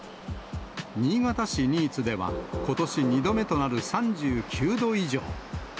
新潟市新津では、ことし２度目となる３９度以上。